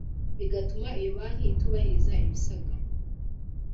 bigatuma iyo banki itubahiriza ibisabwa